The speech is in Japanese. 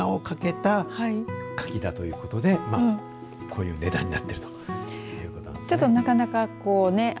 手間暇をかけた柿だということでこういう値段になっているということですね。